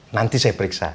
nanti saya periksa